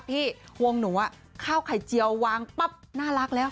ห่วงหนูข้าวไข่เจียววางปั๊บน่ารักแล้ว